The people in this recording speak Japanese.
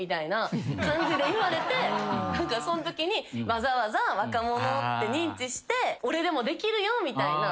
そのときにわざわざ若者って認知して俺でもできるよみたいな。